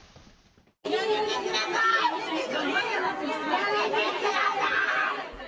やめてください。